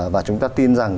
và chúng ta tin rằng